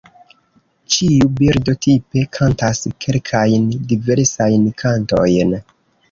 Ĉiu birdo tipe kantas kelkajn diversajn kantojn.